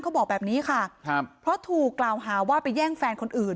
บอกแบบนี้ค่ะครับเพราะถูกกล่าวหาว่าไปแย่งแฟนคนอื่น